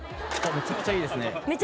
めちゃくちゃ良くないですか？